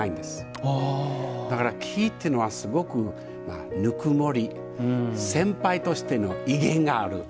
だから木っていうのはすごくぬくもり先輩としての威厳がある。